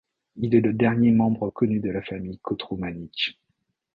Il est le dernier membre connu de la famille Kotromanić.